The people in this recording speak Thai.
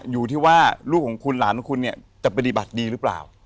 อยู่ที่ว่าลูกของคุณหลานของคุณเนี่ยจะปฏิบัติดีหรือเปล่า